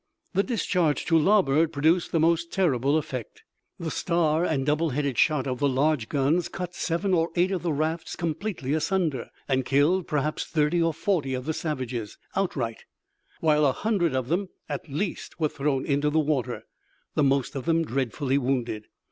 The discharge to larboard produced the most terrible effect. The star and double headed shot of the large guns cut seven or eight of the rafts completely asunder, and killed, perhaps, thirty or forty of the savages outright, while a hundred of them, at least, were thrown into the water, the most of them dreadfully wounded.